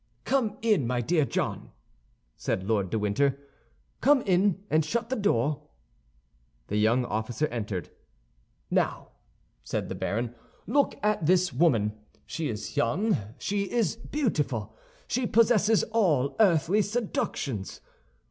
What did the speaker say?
"Come in, my dear John," said Lord de Winter, "come in, and shut the door." The young officer entered. "Now," said the baron, "look at this woman. She is young; she is beautiful; she possesses all earthly seductions.